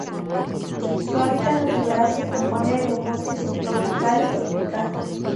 Su hábitat natural se compone de bosque subtropical y tropical.